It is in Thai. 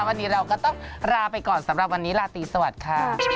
วันนี้เราก็ต้องลาไปก่อนสำหรับวันนี้ลาตรีสวัสดีค่ะ